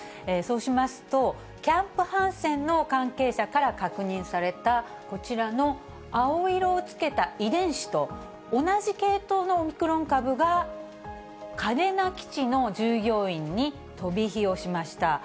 そうしますと、キャンプ・ハンセンの関係者から確認されたこちらの青色をつけた遺伝子と同じ系統のオミクロン株が、嘉手納基地の従業員に飛び火をしました。